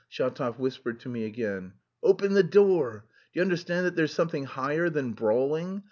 Shatov whispered to me again. "Open the door! Do you understand that there's something higher than brawling...